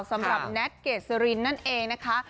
สำหรับแน็ตเกษรินนั่นเองนะคะ